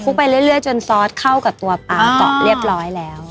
ไปเรื่อยจนซอสเข้ากับตัวปลาเกาะเรียบร้อยแล้ว